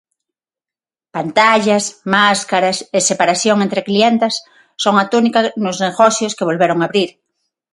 Pantallas, máscaras, e separación entre clientas son a tónica nos negocios que volveron abrir.